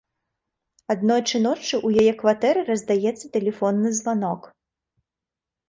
Аднойчы ноччу ў яе кватэры раздаецца тэлефонны званок.